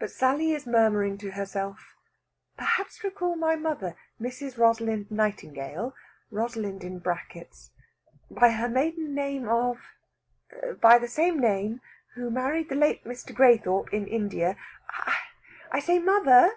But Sally is murmuring to herself "Perhaps recall my mother, Mrs. Rosalind Nightingale Rosalind in brackets by her maiden name of by the same name who married the late Mr. Graythorpe in India I say, mother...."